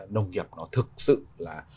nông nghiệp nó thực sự là